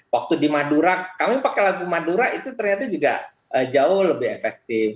waktu di madura kami pakai lagu madura itu ternyata juga jauh lebih efektif